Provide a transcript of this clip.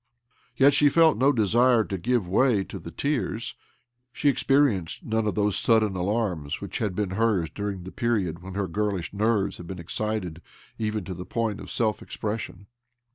Yet she felt no desire to give way to tears ; she experienced none of those sudden alarms which had been hers during the period when her girlish nerves had been excited even to the point of self expression.